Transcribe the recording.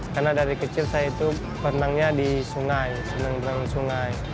karena dari kecil saya itu berenangnya di sungai senang berenang di sungai